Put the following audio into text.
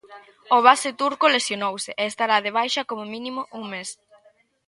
O base turco lesionouse e estará de baixa como mínimo un mes.